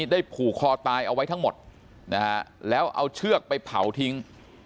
ผูกคอตายเอาไว้ทั้งหมดนะฮะแล้วเอาเชือกไปเผาทิ้ง